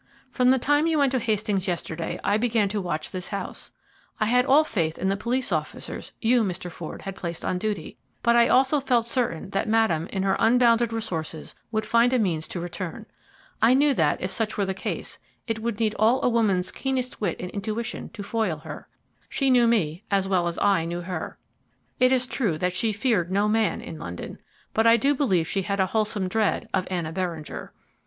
From the time you went to Hastings yesterday I began to watch this house. I had all faith in the police officers you, Mr. Ford, had placed on duty, but I also felt certain that Madame, in her unbounded resources, would find a means to return. I knew that, if such were the case, it would need all a woman's keenest wit and intuition to foil her. She knew me as well as I knew her. It is true that she feared no man in London, but I do believe she had a wholesome dread of Anna Beringer.